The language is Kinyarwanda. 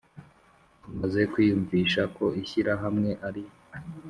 Tumaze kwiyumvisha ko ishyirahamwe ari